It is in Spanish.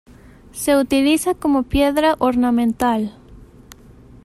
Se utiliza como piedra ornamental.